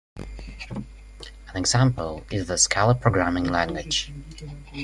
An example is the Scala programming language.